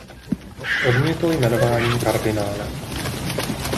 Odmítl jmenování kardinálem.